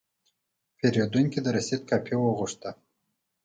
پیرودونکی د رسید کاپي وغوښته.